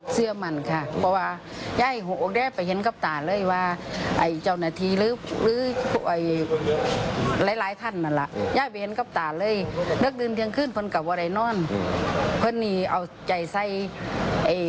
นางครีมบอกด้วยนะคะว่าถ้าจับคนร้ายได้เนี่ยก็ยินดีแล้วก็พร้อมที่จะให้อภัย